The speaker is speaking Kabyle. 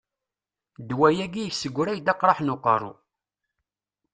Ddwa-agi yesseggray-d aqraḥ n uqerru.